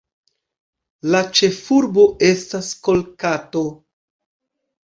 La ĉefurbo estas Kolkato.